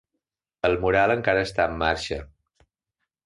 El mural encara està en marxa!